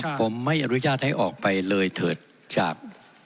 ผมไม่อนุญาตให้ออกไปเลยเถิดจาก